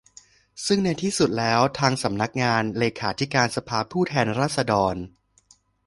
ซึ่งในที่สุดแล้วทางสำนักงานเลขาธิการสภาผู้แทนราษฎร